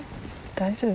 大丈夫。